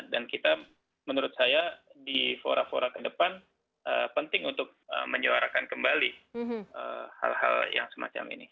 dan kita menurut saya di fora fora ke depan penting untuk menyuarakan kembali hal hal yang semacam ini